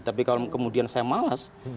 tapi kalau kemudian saya malas